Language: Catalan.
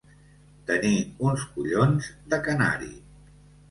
Tenir uns collons de canari.